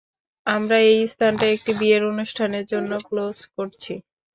আমরা এই স্থানটা একটি বিয়ের অনুষ্ঠানের জন্য ক্লোজ করছি!